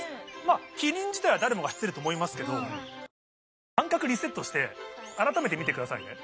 キリン自体は誰もが知ってると思いますけど一回ちょっと感覚リセットして改めて見てくださいね。